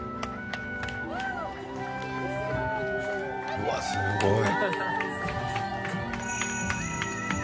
うわっすごい！